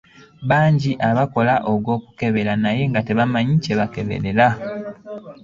Bangi abakola ogw'okukebera naye nga tebanmanyi kyebakebera.